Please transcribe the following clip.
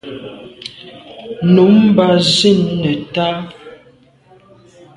Nummb’a zin neta.